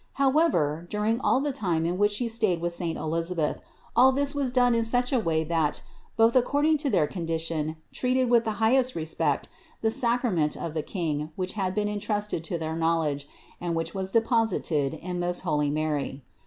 However, during all the time in which She stayed with saint Elisabeth, all this was done in such a way that both according to their condition treated with the high est respect the sacrament of the King which had been entrusted to their knowledge, and which was deposited in the most holy Mary.